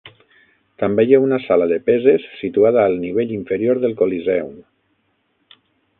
També hi ha una sala de peses situada al nivell inferior del Coliseum.